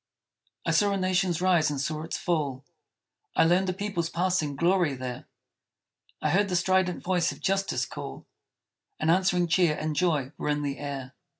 I saw a Nation's rise and saw its fall; I learned a people's passing glory there; I heard the strident voice of Justice call, And answering cheer and joy were in the air.